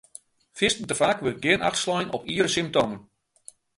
Fierstente faak wurdt gjin acht slein op iere symptomen.